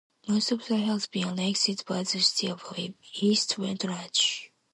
Most of the area has been annexed by the city of East Wenatchee.